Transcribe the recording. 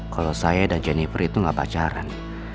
kalau saya dan jennifer itu gak pacaran